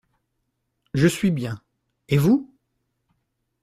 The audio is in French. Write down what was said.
Je suis bien, et vous ?